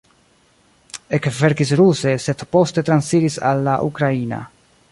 Ekverkis ruse, sed poste transiris al la ukraina.